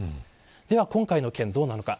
では、今回の件、どうなるのか。